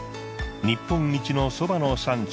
日本一のソバの産地